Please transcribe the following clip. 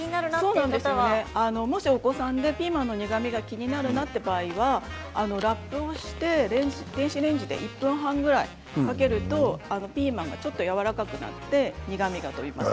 お子さんでピーマンの苦みが気になる方はラップをして電子レンジで１分半ぐらいかけるとピーマンがちょっとやわらかくなって苦味が取れます。